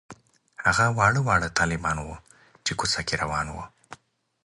هغه واړه واړه طالبان وو چې کوڅه کې روان وو.